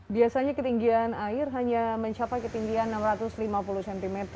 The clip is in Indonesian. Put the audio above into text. biasanya ketinggian air hanya mencapai ketinggian enam ratus lima puluh cm